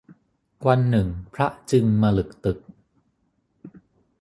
วันหนึ่งพระจึงมะหลึกตึก